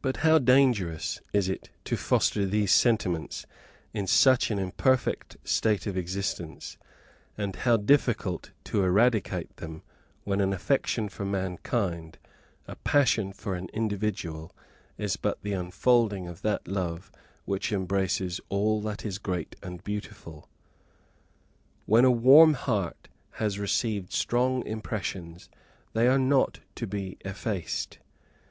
But how dangerous is it to foster these sentiments in such an imperfect state of existence, and how difficult to eradicate them when an affection for mankind, a passion for an individual, is but the unfolding of that love which embraces all that is great and beautiful! When a warm heart has received strong impressions, they are not to be effaced.